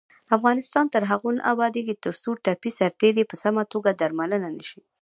افغانستان تر هغو نه ابادیږي، ترڅو ټپي سرتیري په سمه توګه درملنه نشي.